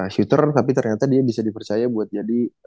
shooter tapi ternyata dia bisa dipercaya buat jadi